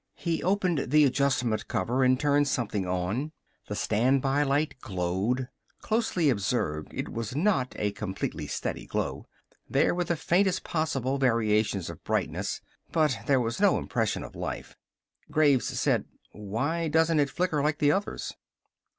He opened the adjustment cover and turned something on. The standby light glowed. Closely observed, it was not a completely steady glow. There were the faintest possible variations of brightness. But there was no impression of life. Graves said: "Why doesn't it flicker like the others?"